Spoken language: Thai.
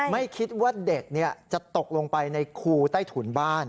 ไม่คิดว่าเด็กจะตกลงไปในคูใต้ถุนบ้าน